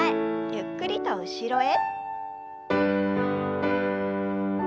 ゆっくりと後ろへ。